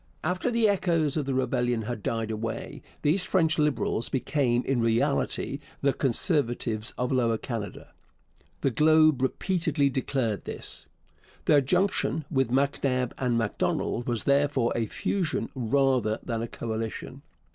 After the echoes of the rebellion had died away these French Liberals became in reality the Conservatives of Lower Canada. The Globe repeatedly declared this. Their junction with MacNab and Macdonald was therefore a fusion rather than a coalition.